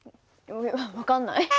分かんない。